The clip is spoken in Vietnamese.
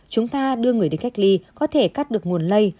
chúng ta đưa người đến cách ly có thể cắt được nguồn lây